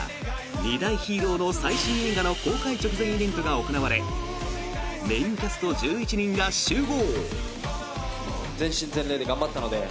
２大ヒーローの最新映画の公開直前イベントが行われメインキャスト１１人が集合！